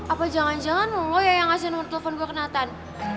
apa jangan jangan lo ya yang ngasih nomer telepon gue ke nathan